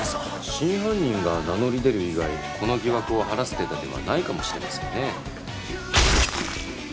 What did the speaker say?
真犯人が名乗り出る以外この疑惑を晴らす手立てはないかもしれませんね。